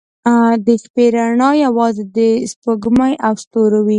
• د شپې رڼا یوازې د سپوږمۍ او ستورو وي.